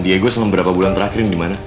diego selama berapa bulan terakhir ini dimana